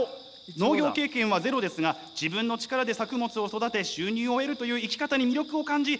農業経験はゼロですが自分の力で作物を育て収入を得るという生き方に魅力を感じ